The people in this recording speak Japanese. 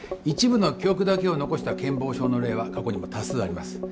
一部の記憶だけを残した健忘症の例は過去にも多数あります。